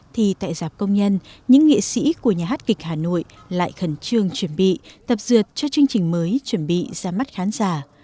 thì tại giạp công nhân những nghệ sĩ của nhà hát kịch hà nội lại khẩn trương chuẩn bị tập dượt cho chương trình mới chuẩn bị ra mắt khán giả